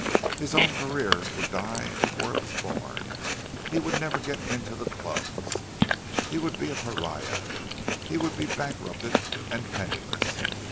His own career would die before it was born; he would never get into the clubs—he would be a pariah—he would be bankrupted and penniless.